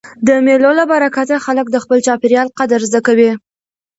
د مېلو له برکته خلک د خپل چاپېریال قدر زده کوي.